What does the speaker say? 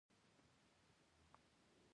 د پنجشیر دره د توتانو ډکه ده.